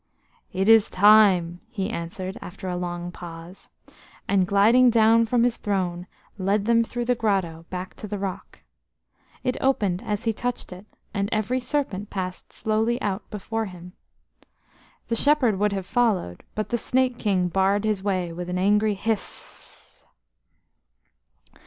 "It is time," he answered after a long pause, and gliding down from his throne, led them through the grotto back to the rock. It opened as he touched it, and every serpent passed slowly out before him. The shepherd would have followed, but the Snake King barred his way with an angry hiss.